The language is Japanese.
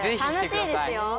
たのしいですよ。